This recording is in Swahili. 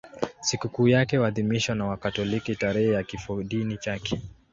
Sikukuu yake huadhimishwa na Wakatoliki tarehe ya kifodini chake.